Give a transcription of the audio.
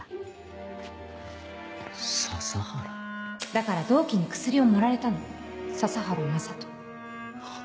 だから同期に薬を盛られたの佐々原雅人ハッ！